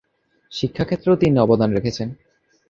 শিক্ষা ক্ষেত্রেও তিনি অবদান রেখেছেন।